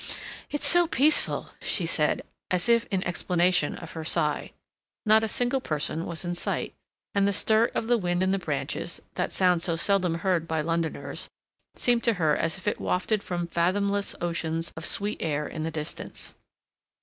"It's so peaceful," she said, as if in explanation of her sigh. Not a single person was in sight, and the stir of the wind in the branches, that sound so seldom heard by Londoners, seemed to her as if wafted from fathomless oceans of sweet air in the distance.